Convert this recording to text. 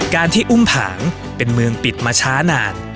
การที่อุ้มผางเป็นเมืองปิดมาช้านาน